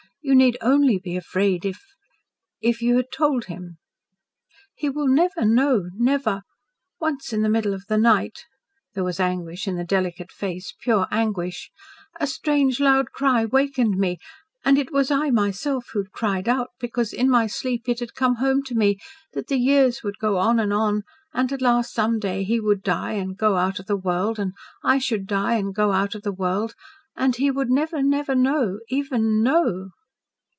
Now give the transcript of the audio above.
"You need only be afraid if if you had told him." "He will never know never. Once in the middle of the night," there was anguish in the delicate face, pure anguish, "a strange loud cry wakened me, and it was I myself who had cried out because in my sleep it had come home to me that the years would go on and on, and at last some day he would die and go out of the world and I should die and go out of the world. And he would never know even KNOW."